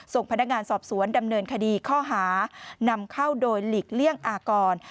ส่งพนักงานสอบสวนดำเนินคดีข้อหานำเข้าโดยหลีกเลี่ยงอากร